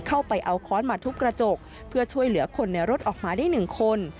เข้าไปเอาค้อนมาทุบกระจกเพื่อช่วยเหลือคนในรถออกมาได้หนึ่งคน